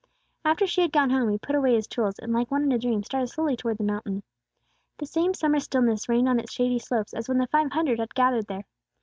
After she had gone home, he put away his tools, and, like one in a dream, started slowly towards the mountain. The same summer stillness reigned on its shady slopes as when the five hundred had gathered there.